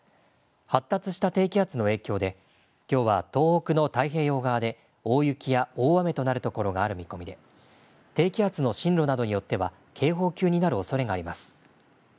発達した低気圧の影響で、きょうは東北の太平洋側で大雪や大雨となる所がある見込みで、低気圧の進路などによっては、警報級になるおそれがあります。